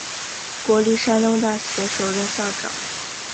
国立山东大学首任校长。